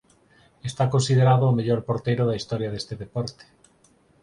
Está considerado o mellor porteiro da historia deste deporte.